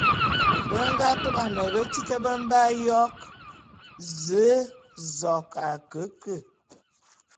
Be nga tôban betít be mbe ayok: Ze, zok...